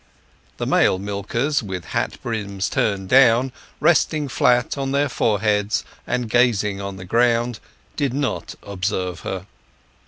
The male milkers, with hat brims turned down, resting flat on their foreheads and gazing on the ground, did not observe her.